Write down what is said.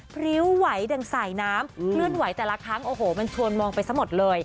พริ้วไหวดังสายน้ำเคลื่อนไหวแต่ละครั้งโอ้โหมันชวนมองไปซะหมดเลย